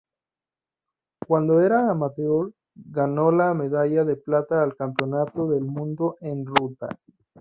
Cuando era amateur ganó la medalla de plata al Campeonato del Mundo en ruta